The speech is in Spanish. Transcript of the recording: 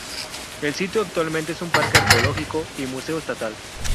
El sitio actualmente es un parque arqueológico y museo estatal.